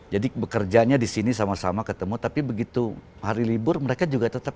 jadi bekerjanya di sini sama sama ketemu tapi begitu hari libur mereka juga tetap